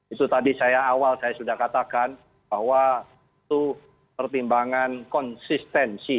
itu tadi saya awal saya sudah katakan bahwa itu pertimbangan konsistensi